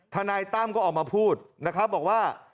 ทนายตั้มก็ออกมาพูดบอกว่า